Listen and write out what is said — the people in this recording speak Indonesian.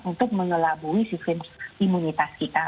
untuk mengelabui sistem imunitas kita